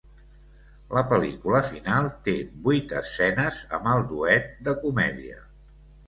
La pel·lícula final té vuit escenes amb el duet de comèdia.